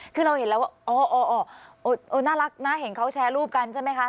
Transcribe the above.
คือเราเห็นแล้วว่าอ๋อน่ารักนะเห็นเขาแชร์รูปกันใช่ไหมคะ